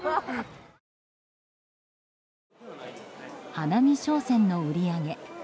花見商戦の売り上げ。